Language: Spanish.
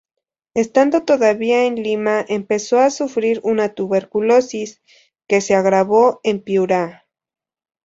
Estando todavía en Lima empezó a sufrir una tuberculosis, que se agravó en Piura.